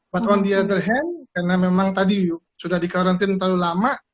tapi di sisi lain karena memang tadi sudah di quarantine terlalu lama